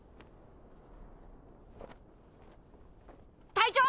隊長！